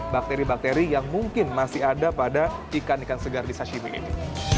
bakteri bakteri yang mungkin masih ada pada ikan ikan segar di sashimi ini